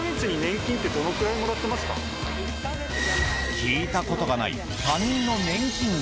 聞いたことがない他人の年金額。